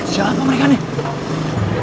siapa mereka nih